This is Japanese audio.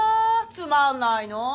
つまんないの。